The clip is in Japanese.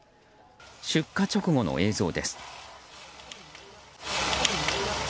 出火直後の映像です。